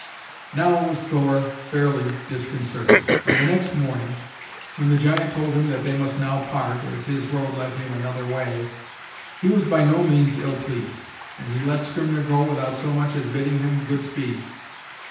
Now was Thor fairly disconcerted; and the next morning, when the giant told him that they must now part, as his road led him another way, he was by no means ill pleased, and he let Skrymner go without so much as bidding him "good speed."